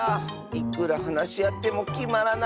いくらはなしあってもきまらないッス。